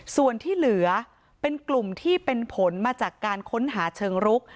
ส่วนที่เหลือเป็นกลุ่มที่เป็นผลมาจากการค้นหาเชิงรุก